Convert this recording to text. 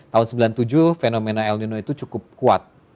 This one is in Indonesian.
tahun sembilan puluh tujuh fenomena el nino itu cukup kuat